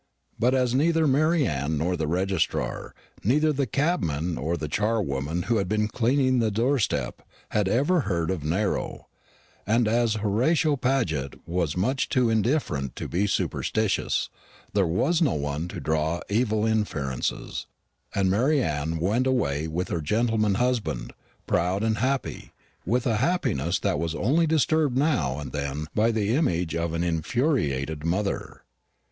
But as neither Mary Anne nor the registrar, neither the cabman nor the charwoman who had been cleaning the door step, had ever heard of Nero, and as Horatio Paget was much too indifferent to be superstitious, there was no one to draw evil inferences: and Mary Anne went away with her gentleman husband, proud and happy, with a happiness that was only disturbed now and then by the image of an infuriated mother.